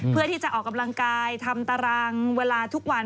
เพื่อที่จะออกกำลังกายทำตารางเวลาทุกวัน